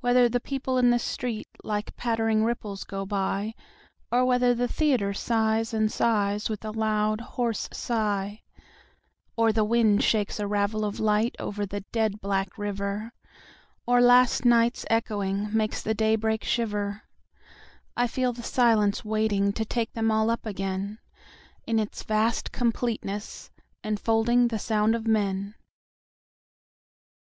Whether the people in the streetLike pattering ripples go by, Or whether the theatre sighs and sighsWith a loud, hoarse sigh:Or the wind shakes a ravel of lightOver the dead black river, Or night's last echoingMakes the daybreak shiver:I feel the silence waitingTo take them all up againIn its vast completeness, enfoldingThe sound of men.